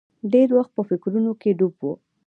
ډېر وخت به په فکرونو کې ډوب و.